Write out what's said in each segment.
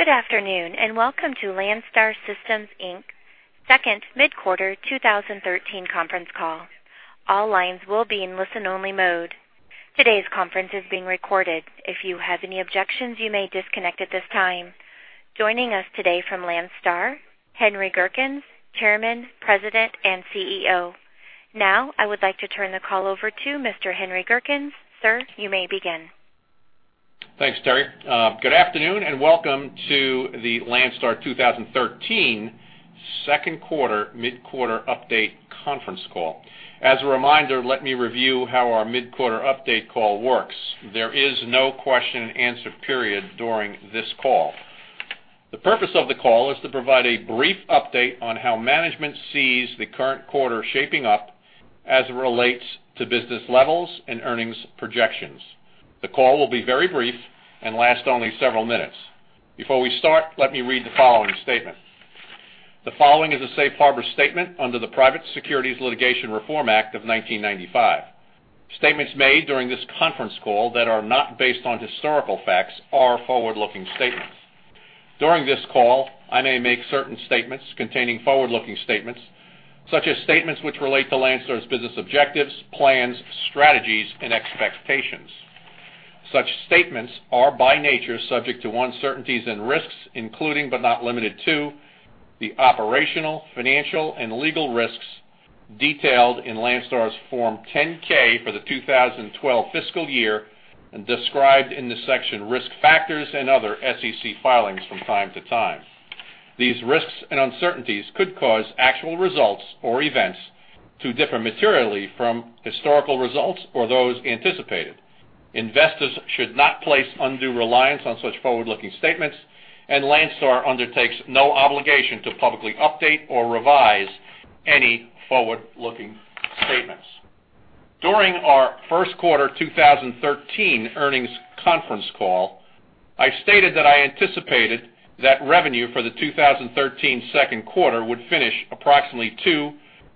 Good afternoon and welcome to Landstar System, Inc Second Mid-Quarter 2013 Conference Call. All lines will be in listen-only mode. Today's conference is being recorded. If you have any objections, you may disconnect at this time. Joining us today from Landstar, Henry Gerkens, Chairman, President, and CEO. Now, I would like to turn the call over to Mr. Henry Gerkens. Sir, you may begin. Thanks, Terry. Good afternoon and welcome to the Landstar 2013 second quarter mid-quarter update conference call. As a reminder, let me review how our mid-quarter update call works. There is no question and answer period during this call. The purpose of the call is to provide a brief update on how management sees the current quarter shaping up as it relates to business levels and earnings projections. The call will be very brief and last only several minutes. Before we start, let me read the following statement. The following is a Safe Harbor Statement under the Private Securities Litigation Reform Act of 1995. Statements made during this conference call that are not based on historical facts are forward-looking statements. During this call, I may make certain statements containing forward-looking statements, such as statements which relate to Landstar's business objectives, plans, strategies, and expectations. Such statements are by nature subject to uncertainties and risks, including but not limited to the operational, financial, and legal risks detailed in Landstar's Form 10-K for the 2012 fiscal year and described in the section Risk Factors and other SEC filings from time to time. These risks and uncertainties could cause actual results or events to differ materially from historical results or those anticipated. Investors should not place undue reliance on such forward-looking statements, and Landstar undertakes no obligation to publicly update or revise any forward-looking statements. During our first quarter 2013 earnings conference call, I stated that I anticipated that revenue for the 2013 second quarter would finish approximately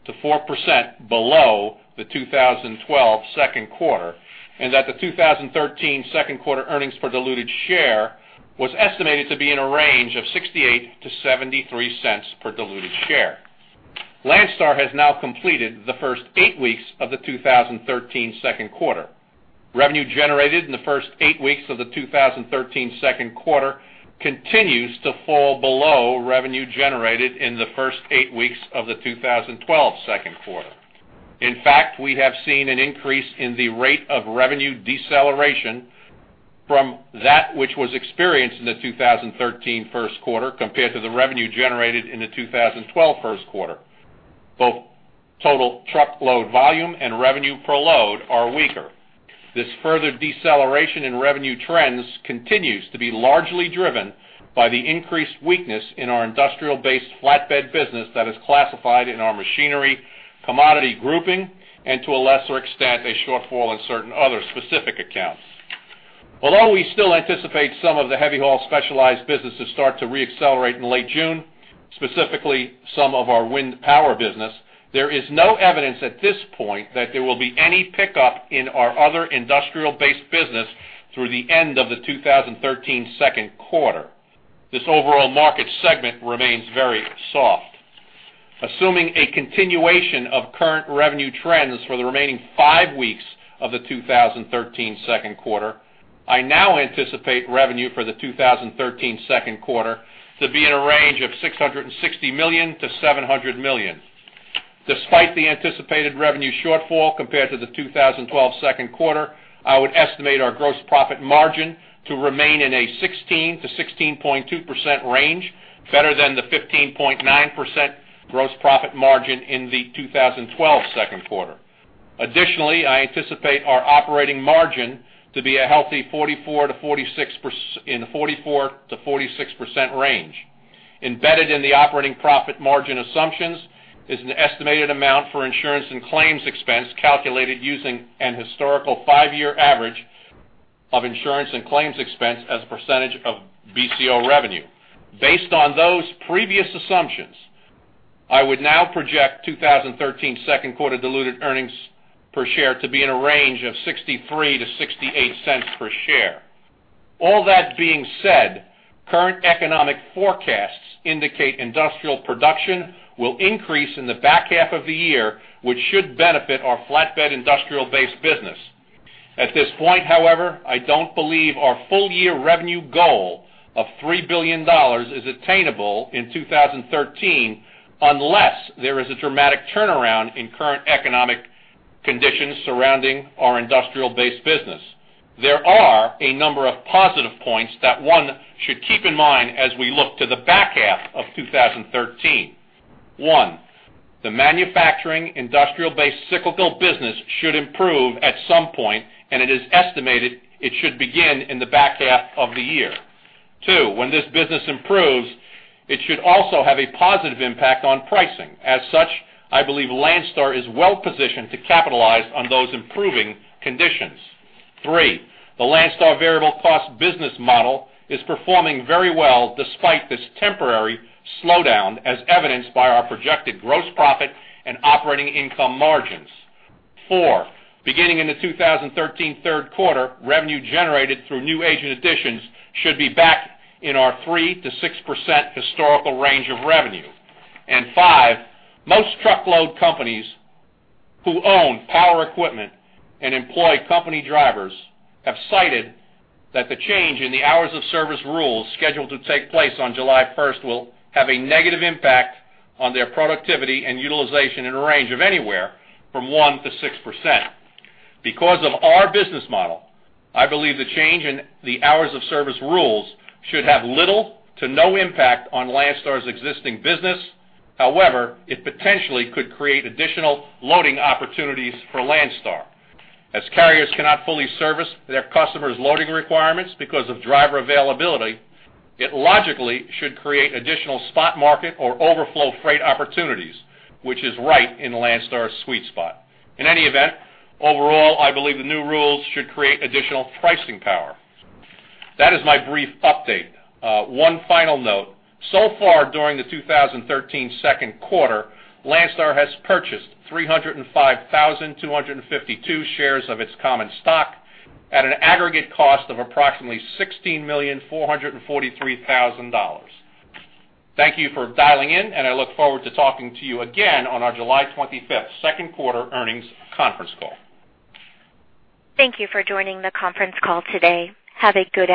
2%-4% below the 2012 second quarter and that the 2013 second quarter earnings per diluted share was estimated to be in a range of $0.68-$0.73 per diluted share. Landstar has now completed the first eight weeks of the 2013 second quarter. Revenue generated in the first eight weeks of the 2013 second quarter continues to fall below revenue generated in the first eight weeks of the 2012 second quarter. In fact, we have seen an increase in the rate of revenue deceleration from that which was experienced in the 2013 first quarter compared to the revenue generated in the 2012 first quarter. Both total truckload volume and revenue per load are weaker. This further deceleration in revenue trends continues to be largely driven by the increased weakness in our industrial-based flatbed business that is classified in our machinery commodity grouping and to a lesser extent a shortfall in certain other specific accounts. Although we still anticipate some of the heavy haul specialized business to start to re-accelerate in late June, specifically some of our wind power business, there is no evidence at this point that there will be any pickup in our other industrial-based business through the end of the 2013 second quarter. This overall market segment remains very soft. Assuming a continuation of current revenue trends for the remaining five weeks of the 2013 second quarter, I now anticipate revenue for the 2013 second quarter to be in a range of $660 million-$700 million. Despite the anticipated revenue shortfall compared to the 2012 second quarter, I would estimate our gross profit margin to remain in a 16%-16.2% range, better than the 15.9% gross profit margin in the 2012 second quarter. Additionally, I anticipate our operating margin to be a healthy 44%-46% range. Embedded in the operating profit margin assumptions is an estimated amount for insurance and claims expense calculated using a historical five-year average of insurance and claims expense as a percentage of BCO revenue. Based on those previous assumptions, I would now project 2013 second quarter diluted earnings per share to be in a range of $0.63-$0.68 per share. All that being said, current economic forecasts indicate industrial production will increase in the back half of the year, which should benefit our flatbed industrial-based business. At this point, however, I don't believe our full-year revenue goal of $3 billion is attainable in 2013 unless there is a dramatic turnaround in current economic conditions surrounding our industrial-based business. There are a number of positive points that one should keep in mind as we look to the back half of 2013. One, the manufacturing industrial-based cyclical business should improve at some point, and it is estimated it should begin in the back half of the year. Two, when this business improves, it should also have a positive impact on pricing. As such, I believe Landstar is well positioned to capitalize on those improving conditions. Three, the Landstar variable cost business model is performing very well despite this temporary slowdown, as evidenced by our projected gross profit and operating income margins. Four, beginning in the 2013 third quarter, revenue generated through new agent additions should be back in our 3%-6% historical range of revenue. And five, most truckload companies who own power equipment and employ company drivers have cited that the change in the hours of service rules scheduled to take place on July 1st will have a negative impact on their productivity and utilization in a range of anywhere from 1%-6%. Because of our business model, I believe the change in the hours of service rules should have little to no impact on Landstar's existing business. However, it potentially could create additional loading opportunities for Landstar. As carriers cannot fully service their customers' loading requirements because of driver availability, it logically should create additional spot market or overflow freight opportunities, which is right in Landstar's sweet spot. In any event, overall, I believe the new rules should create additional pricing power. That is my brief update. One final note: so far during the 2013 second quarter, Landstar has purchased 305,252 shares of its common stock at an aggregate cost of approximately $16,443,000. Thank you for dialing in, and I look forward to talking to you again on our July 25th second quarter earnings conference call. Thank you for joining the conference call today. Have a good one.